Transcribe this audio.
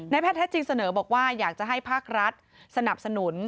แพทย์แท้จริงเสนอบอกว่าอยากจะให้ภาครัฐสนับสนุน